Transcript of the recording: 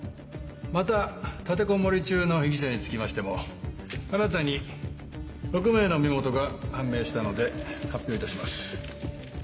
また立てこもり中の被疑者につきましても新たに６名の身元が判明したので発表いたします。